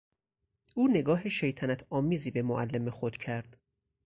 او نگاه شیطنت آمیزی به معلم خود کرد.